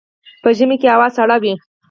په ژمي کې هوا سړه وي